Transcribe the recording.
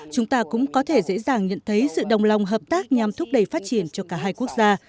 chúng ta cũng có thể dễ dàng nhận thấy sự đồng lòng hợp tác nhằm thúc đẩy phát triển cho cả hai quốc gia